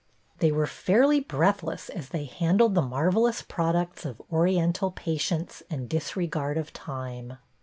They were fairly breathless as they han dled the marvellous ])roducts of Oriental patience and disregard of time.